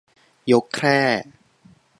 ยกแคร่